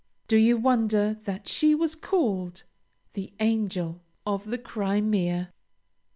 Do you wonder that she was called "The Angel of the Crimea?"